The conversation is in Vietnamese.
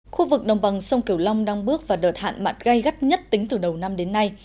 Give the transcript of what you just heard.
khu vực đồng bằng sông kiều long đang bước vào đợt hạn mặn gây gắt nhất tính từ đầu năm đến nay